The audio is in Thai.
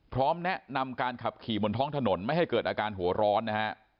พร้อมแนะนำการขับขี่บนท้องถนนไม่ให้เกิดอาการหัวร้อนนะฮะ